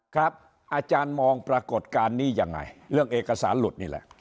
อาจารย์มองปรากฏการณ์นี้ยังไงเรื่องเอกสารหลุดนี่แหละ